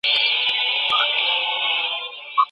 لویه جرګه د بهرنیانو له پاره ولي په زړه پوري ده؟